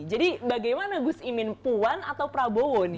jadi bagaimana gus imin puan atau prabowo nih